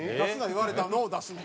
言われたのを出すの？